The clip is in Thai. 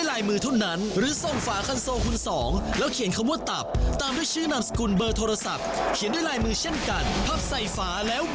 แล้วไปสนุกกันต่อในตลับข่าวค่า